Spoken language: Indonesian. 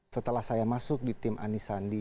setelah saya masuk di tim anies sandi